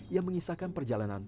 yang mengisahkan perjalanan ke dunia